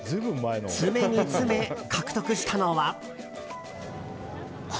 詰めに詰め、獲得したのは。